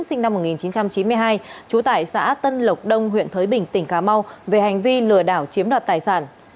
sinh năm một nghìn chín trăm chín mươi hai trú tại xã tân lộc đông huyện thới bình tỉnh cà mau về hành vi lừa đảo chiếm đoạt tài sản